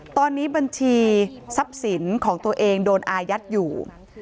ตอนนี้บัญชีทรัพย์สินของตัวเองโดนอายัดอยู่